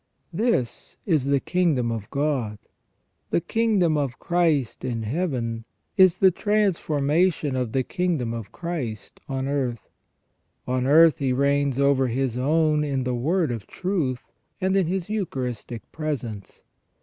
'' This is the kingdom of God. The kingdom of Christ in Heaven is the transformation of the kingdom of Christ on earth. On earth He reigns over His own in the word of truth, and in His Eucharistic presence.